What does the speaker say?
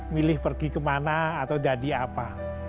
milih pergi kemana atau jadi apa